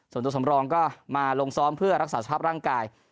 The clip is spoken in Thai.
ส่วนตัวสำรองก็มาลงซ้อมเพื่อรักษาสภาพร่างกาย